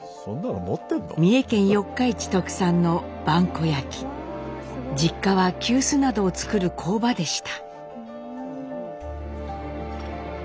三重県四日市特産の実家は急須などを作る工場でした。